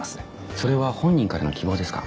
それは本人からの希望ですか？